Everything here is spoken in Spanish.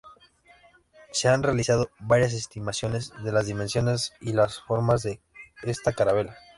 Se han realizado varias estimaciones de las dimensiones y la forma de esta carabela.